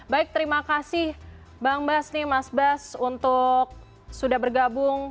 baik terima kasih bang bas nih mas bas untuk sudah bergabung